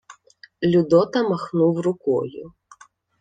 Людота махнув рукою.